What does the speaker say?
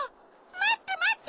まってまって！